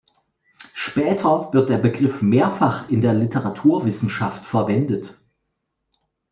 Später wird der Begriff mehrfach in der Literaturwissenschaft verwendet.